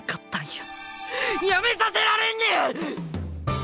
やめさせられんねん！